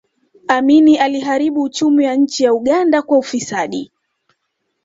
amini aliharibu uchumi wa nchi ya uganda kwa ufisadi